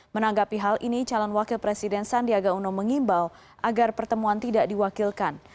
menanggapi hal ini calon wakil presiden sandiaga uno mengimbau agar pertemuan tidak diwakilkan